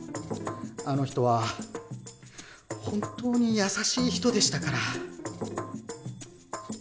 あの人は本当に優しい人でしたから。